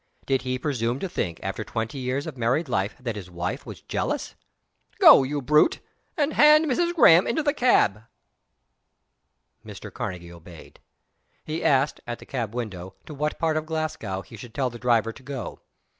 Did he presume to think, after twenty years of married life, that his wife was jealous? "Go, you brute, and hand Mrs. Graham into the cab!" Mr. Karnegie obeyed. He asked, at the cab window, to what part of Glasgow he should tell the driver to go.